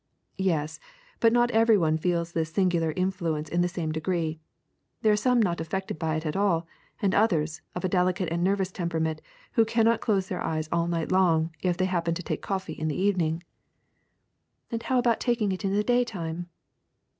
^*Yes, but not every one feels this singular influ ence in the same degree. There are some not af fected by it at all, and others, of a delicate and nerv ous temperament, who cannot close their eyes all night long if they happen to take coffee in the eve ning. '' ^^And how about taking it in the daytime!"